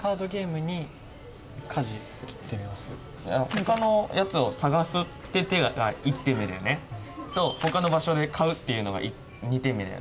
ほかのやつを探すって手が１点目だよね。とほかの場所で買うっていうのが２点目だよね。